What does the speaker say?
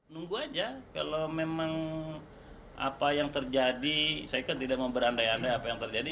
nunggu aja kalau memang apa yang terjadi saya kan tidak mau berandai andai apa yang terjadi